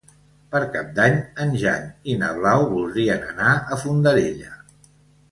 Per Cap d'Any en Jan i na Blau voldrien anar a Fondarella.